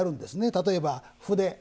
例えば、筆。